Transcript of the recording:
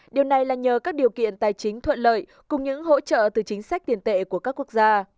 điều này là nhờ các điều kiện tài chính thuận lợi cùng những hỗ trợ từ chính sách tiền tệ của các quốc gia